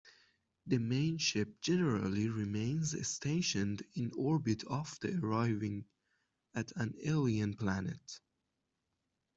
The main ship generally remains stationed in orbit after arriving at an alien planet.